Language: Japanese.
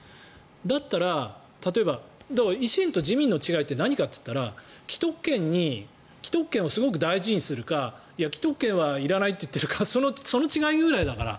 だったら、例えば維新と自民の違いって何かと言ったら既得権をすごく大事にするかいや、既得権はいらないと言っているかそのぐらいの違いだから。